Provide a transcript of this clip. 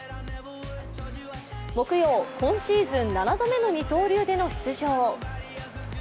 木曜、今シーズン７度目の二刀流での出場。